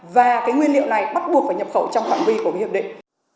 và cái nguyên liệu này bắt buộc phải nhập khẩu trong phạm vi của cái hiệp định